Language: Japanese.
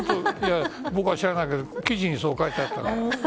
僕は知らないけど記事に、そう書いてあった。